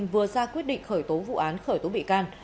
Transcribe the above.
vừa ra quyết định khởi tố vụ án khởi tố bị can